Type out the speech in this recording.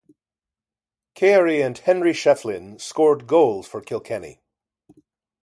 Carey and Henry Shefflin scored goals for Kilkenny.